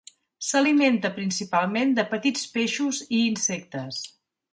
S'alimenta principalment de petits peixos i insectes.